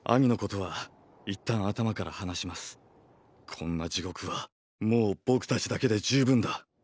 こんな地獄はもう僕たちだけで十分だ。